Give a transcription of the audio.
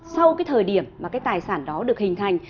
sau cái thời điểm mà cái tài sản đó được hình thành